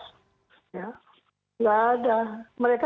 tidak ada mereka